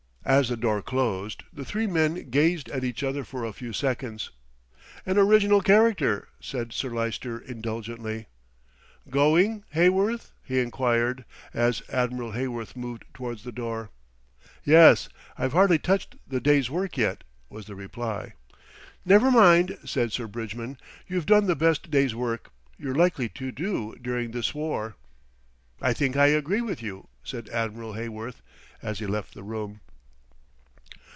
As the door closed, the three men gazed at each other for a few seconds. "An original character," said Sir Lyster indulgently. "Going, Heyworth?" he enquired, as Admiral Heyworth moved towards the door. "Yes, I've hardly touched the day's work yet," was the reply. "Never mind," said Sir Bridgman, "you've done the best day's work you're likely to do during this war." "I think I agree with you," said Admiral Heyworth as he left the room.